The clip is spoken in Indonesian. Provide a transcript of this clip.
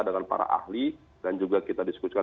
dengan para ahli dan juga kita diskusikan